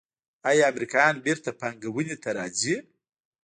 آیا امریکایان بیرته پانګونې ته راځí؟